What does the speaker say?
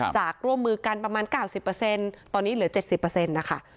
จากร่วมมือกันประมาณ๙๐ตอนนี้เหลือ๗๐นะคะ